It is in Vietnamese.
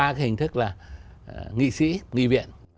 thông qua cái hình thức là nghị sĩ nghị viện